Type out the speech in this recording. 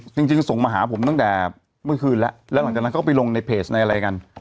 จริงส่งมาหาผมตั้งแต่เมื่อคืนแล้วแล้วหลังจากนั้นก็ไปลงในเพจในอะไรกัน